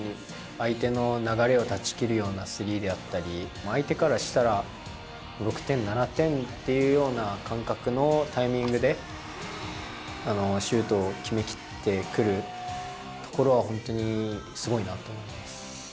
相手の流れを断ち切るようなスリーであったり、相手からしたら、６点、７点っていうような感覚のタイミングで、シュートを決めきってくるところは、本当にすごいなと思います。